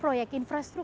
lima kepada perusahaan